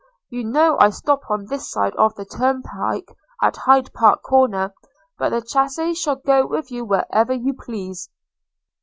– You know I stop on this side the turnpike, at Hyde Park Corner; but the chaise shall go with you wherever you please.'